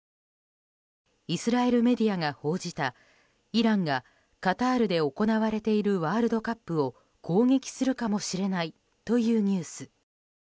イスラエルメディアが報じたイランがカタールで行われているワールドカップを攻撃するかもしれないというニュース。